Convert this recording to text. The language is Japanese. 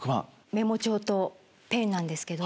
メモ帳とペンなんですけど。